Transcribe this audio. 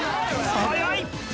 速い！